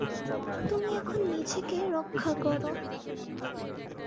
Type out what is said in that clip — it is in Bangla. তুমি এখন নিজেকে রক্ষা করো।